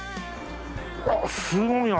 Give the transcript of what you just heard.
あっすごいな。